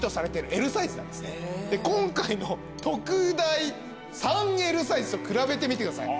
今回の特大３Ｌサイズと比べてみてください。